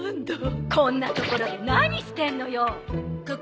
こんなところで何してんのよ！